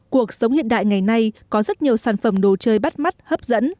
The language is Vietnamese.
cuộc sống hiện đại ngày nay có rất nhiều sản phẩm đồ chơi bắt mắt hấp dẫn